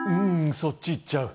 そっちいっちゃう